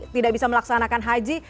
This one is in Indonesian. tidak bisa melaksanakan haji